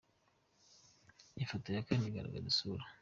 Ifoto ya kane ni igaragaza isura.